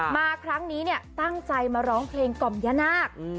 มาครั้งนี้เนี่ยตั้งใจมาร้องเพลงกล่อมย่านาค